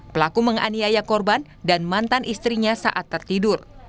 pelaku menganiaya korban dan mantan istrinya saat tertidur